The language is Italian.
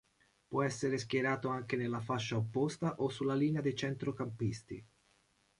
Può essere schierato anche nella fascia opposta o sulla linea dei centrocampisti.